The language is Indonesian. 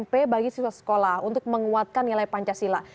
pp bagi siswa sekolah untuk menguatkan nilai pancasila